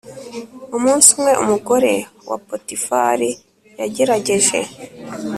Umunsi umwe umugore wa Potifari yagerageje